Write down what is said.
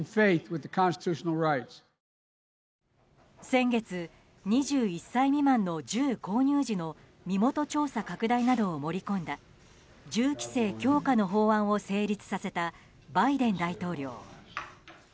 先月、２１歳未満の銃購入時の身元調査拡大などを盛り込んだ銃規制強化の法案を成立させたバイデン大統領。